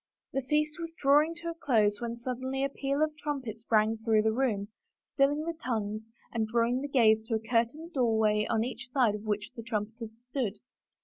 The feast was drawing to a close when suddenly a peal of trumpets rang through the room, stilling the tongues and drawing the gaze to a curtained doorway on each side of which the tnmipeters stood.